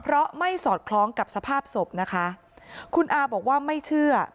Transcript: เพราะไม่สอดคล้องกับสภาพศพนะคะคุณอาบอกว่าไม่เชื่อ